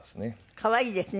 可愛いですね。